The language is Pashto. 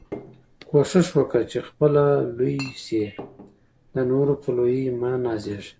کوښښ وکه، چي خپله لوى سې، د نورو په لويي مه نازېږه!